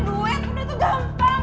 udah tuh gampang